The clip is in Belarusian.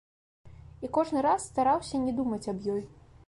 І кожны раз стараўся не думаць аб ёй.